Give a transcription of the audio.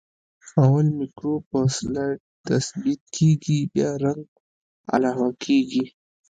اول مکروب په سلایډ تثبیت کیږي بیا رنګ علاوه کیږي.